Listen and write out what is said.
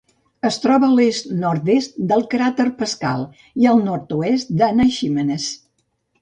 Es troba a l'est-nord-est del cràter Pascal i al nord-oest d'Anaxímenes.